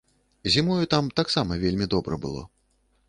Зімою там таксама вельмі добра было.